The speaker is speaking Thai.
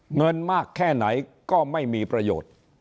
เงินมากแค่ไหนก็ไม่มีประโยชน์